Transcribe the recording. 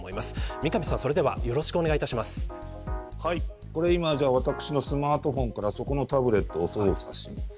三上さん、それでは今、私のスマートフォンからそのタブレットを操作します。